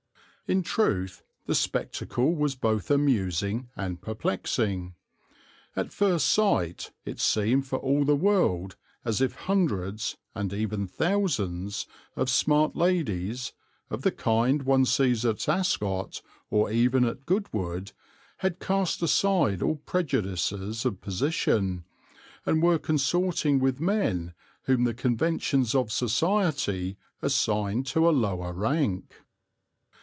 In truth the spectacle was both amusing and perplexing. At first sight it seemed for all the world as if hundreds, and even thousands, of smart ladies, of the kind one sees at Ascot or even at Goodwood, had cast aside all prejudices of position, and were consorting with men whom the conventions of society assign to a lower rank.